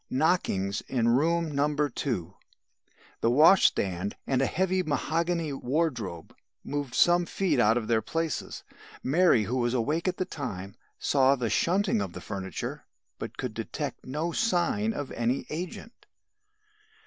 Knockings in room No. 2. The washstand and a heavy mahogany wardrobe moved some feet out of their places. Mary, who was awake at the time, saw the shunting of the furniture, but could detect no sign of any agent.